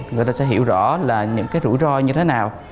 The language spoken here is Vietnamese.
người ta sẽ hiểu rõ là những cái rủi ro như thế nào